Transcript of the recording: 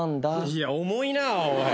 いや重いなおい。